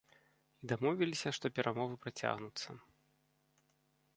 І дамовіліся, што перамовы працягнуцца.